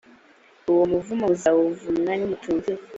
uwo muvumo muzawuvumwa nimutumvira